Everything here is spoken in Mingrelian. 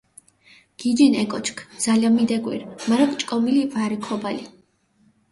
გიჯინ ე კოჩქ, ძალამი დეკვირ, მარა ჭკომილი ვარე ქობალი.